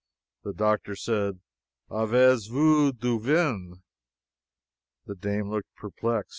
The doctor said: "Avez vous du vin?" The dame looked perplexed.